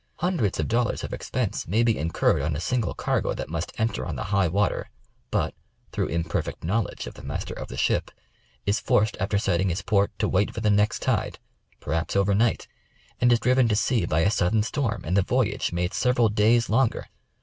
Hundi'eds of dollars of ex pense may be incurred on a single cargo that must enter on the high water, but through imperfect knowledge of the master of the ship, is forced after sighting his port, to wait for the next tide, perhaps over night, and is driven to sea by a sudden storm and the voyage made several days longer.